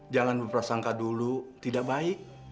jangan berprasangka dulu tidak baik